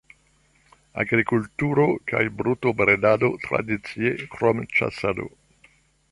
Agrikulturo kaj brutobredado tradicie, krom ĉasado.